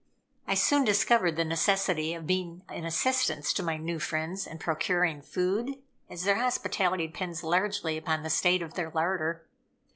I soon discovered the necessity of being an assistance to my new friends in procuring food, as their hospitality depends largely upon the state of their larder.